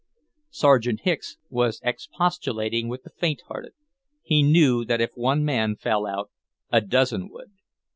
Sergeant Hicks was expostulating with the faint hearted. He knew that if one man fell out, a dozen would.